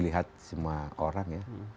dilihat semua orang ya